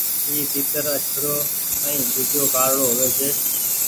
اي تيتر آڇڙو ائين ۮوجھو ڪارڙو هووي ڇي۔